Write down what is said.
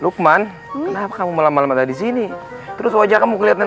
hai hai hai hai hai hai hai hai lukman kenapa kamu lama lama di sini terus wajah kamu kelihatan